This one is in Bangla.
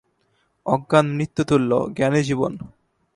অজ্ঞান মৃত্যুতুল্য, জ্ঞানই জীবন।